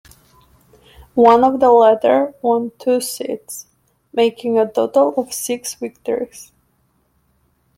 One of the latter won two seats, making a total of six victories.